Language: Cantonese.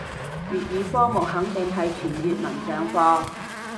粵語科目肯定係全粵文上課